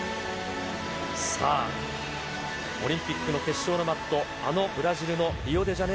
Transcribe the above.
さあ、オリンピックの決勝のマット、あのブラジルのリオデジャネ